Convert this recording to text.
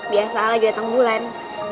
biasa lagi dateng bulan